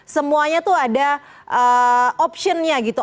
semuanya tuh ada optionnya gitu